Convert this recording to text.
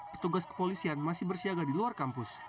petugas kepolisian masih bersiaga di luar kampus